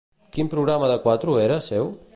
Quin programa de Cuatro era seu?